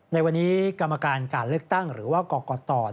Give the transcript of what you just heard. ในวันนี้กรรมการการเลือกตั้งหรือว่ากรกต